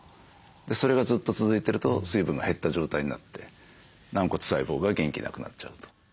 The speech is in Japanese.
それがずっと続いてると水分が減った状態になって軟骨細胞が元気なくなっちゃうと。